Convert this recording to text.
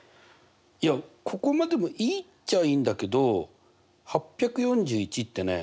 いやここまでもいいっちゃいいんだけど８４１ってね２９×２９なんだな。